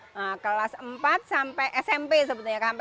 nah kelas empat sampai smp sebetulnya